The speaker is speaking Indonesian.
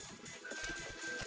mereka semua sudah berhenti